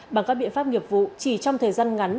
bằng các biện pháp nghiệp vụ chỉ trong thời gian ngắn